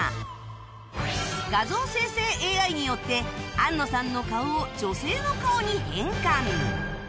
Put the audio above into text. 画像生成 ＡＩ によって安野さんの顔を女性の顔に変換